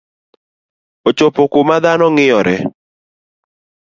Ochopo kuma dhano ng'iyore